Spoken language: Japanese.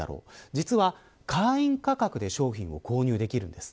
実は会員価格で商品を購入できるんです。